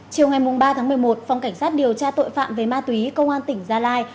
chiều ngày ba tháng một mươi một phòng cảnh sát điều tra tội phạm về ma túy công an tỉnh gia lai